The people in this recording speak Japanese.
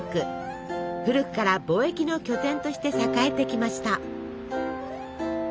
古くから貿易の拠点として栄えてきました。